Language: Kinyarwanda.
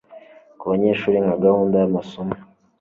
ku banyeshuri nka gahunda yamasomo